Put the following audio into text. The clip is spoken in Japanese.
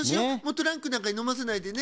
トランクなんかにのませないでね。